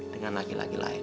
dengan laki laki lain